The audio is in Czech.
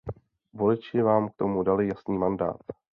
Voliči vám k tomu dali jasný mandát.